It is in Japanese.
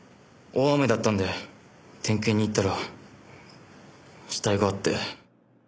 大雨だったんで点検に行ったら死体があって。